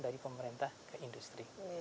dari pemerintah ke industri